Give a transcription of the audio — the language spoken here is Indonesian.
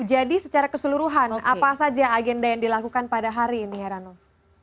jadi secara keseluruhan apa saja agenda yang dilakukan pada hari ini heranov